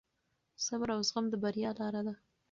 صبر او زغم د بریا لار ده.